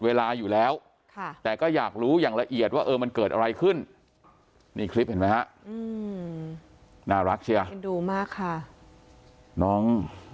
เวลาอยู่แล้วค่ะแต่ก็อยากรู้อย่างละเอียดว่าเออมันเกิดอะไรขึ้นนี่คลิปเห็นไหมฮะน่ารักเชียร์เอ็นดูมากค่ะน้อง